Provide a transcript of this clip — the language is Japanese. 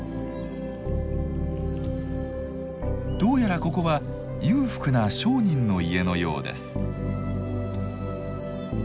どうやらここは裕福な商人の家のようです。